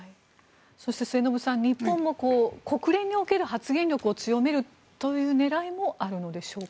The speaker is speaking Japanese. そして末延さん日本も国連における発言力を強めるという狙いもあるのでしょうか。